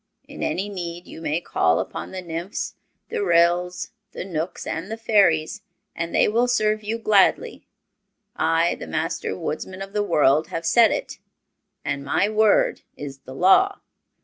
In any need you may call upon the Nymphs, the Ryls, the Knooks and the Fairies, and they will serve you gladly. I, the Master Woodsman of the World, have said it, and my Word is the Law!"